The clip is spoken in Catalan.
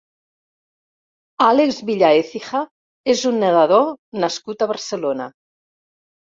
Àlex Villaécija és un nedador nascut a Barcelona.